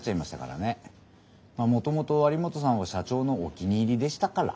もともと有本さんは社長のお気に入りでしたから。